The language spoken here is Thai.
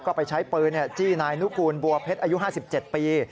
ก็ไปใช้ปืนจี้นายนุกูลบัวเพชรอายุ๕๗ปี